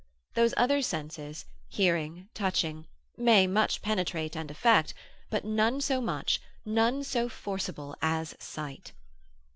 Those other senses, hearing, touching, may much penetrate and affect, but none so much, none so forcible as sight.